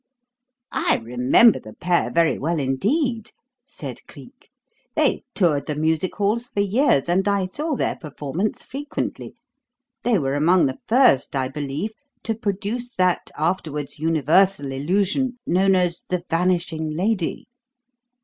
'" "I remember the pair very well indeed," said Cleek. "They toured the Music Halls for years, and I saw their performance frequently. They were among the first, I believe, to produce that afterwards universal illusion known as 'The Vanishing Lady.'